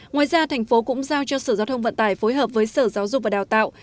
ngoài ra thành phố cũng giao cho sở giao thông vận tải phối hợp với sở giáo dục và đào tạo